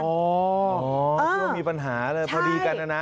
อ๋อเพราะว่ามีปัญหาเลยพอดีกันน่ะนะ